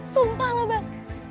sumpah lo bel